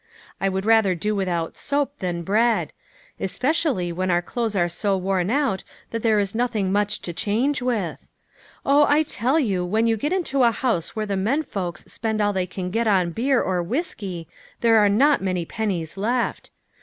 I would rather do without soap than bread ; especially when our clothes are so worn out that there is nothing much to change with. Oh, I tell you when you get into a house where the men folks spend all they can get on beer or whiskey, there are not many pennies left.